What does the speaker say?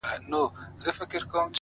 هره ورځ یو نوی درس لري.!